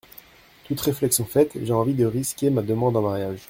Toute réflexion faite, j’ai envie de risquer ma demande en mariage.